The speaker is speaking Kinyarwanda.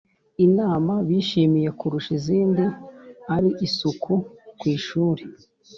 Inama bishimiye kurusha izindi ari isuku ku ishuri